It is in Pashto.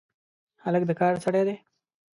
هلک د کار سړی دی.